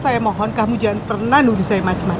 saya mohon kamu jangan pernah nulis saya macem macem